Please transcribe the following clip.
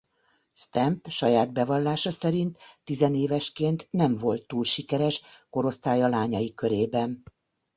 Stamp saját bevallása szerint tizenévesként nem volt túl sikeres korosztálya lányai körében.